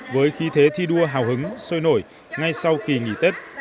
với khí thế thi đua hào hứng sôi nổi ngay sau kỳ nghỉ tết